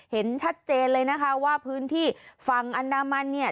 เห็นชัดเจนเลยนะคะว่าพื้นที่ฝั่งอันดามันเนี่ย